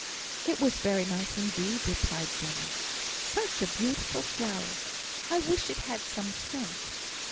"It was very nice, indeed," replied Jenny. "Such a beautiful flower! I wish it had some scent."